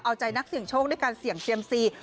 เอาใจนักเสี่ยงโชคด้วยการเสี่ยงเซียมซี